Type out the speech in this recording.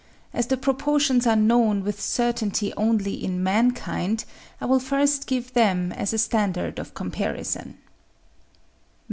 As the proportions are known with certainty only in mankind, I will first give them as a standard of comparison.